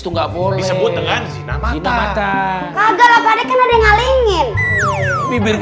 itu nggak boleh sebut dengan kagak ada yang ingin